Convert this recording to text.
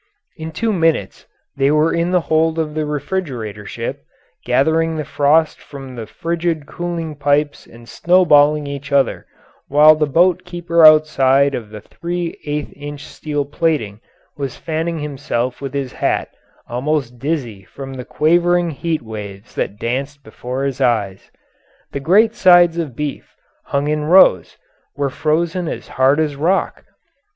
In two minutes they were in the hold of the refrigerator ship, gathering the frost from the frigid cooling pipes and snowballing each other, while the boat keeper outside of the three eighth inch steel plating was fanning himself with his hat, almost dizzy from the quivering heat waves that danced before his eyes. The great sides of beef, hung in rows, were frozen as hard as rock.